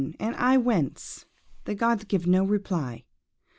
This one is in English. and I whence? The gods give no reply.